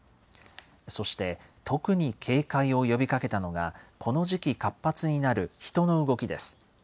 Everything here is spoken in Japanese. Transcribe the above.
そして、特に警戒を呼びかけたのが、この時期活発になる人の動きです。